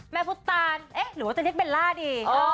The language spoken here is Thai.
พุทธตานเอ๊ะหรือว่าจะเรียกเบลล่าดี